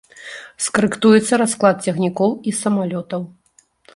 Скарэктуецца расклад цягнікоў і самалётаў.